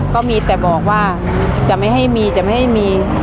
ก็มีแต่บอกว่าจะไม่ให้มีแต่ไม่ให้มี